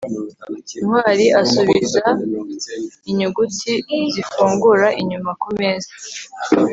ntwali asubiza inyuguti zifungura inyuma kumeza